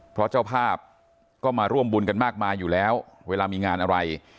เพราะเจ้าภาพก็มาร่วมบุญกันมากมายอยู่แล้วเวลามีงานอะไร